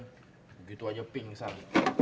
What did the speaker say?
begitu aja pingsan